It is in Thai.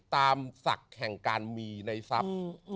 ศักดิ์แห่งการมีในทรัพย์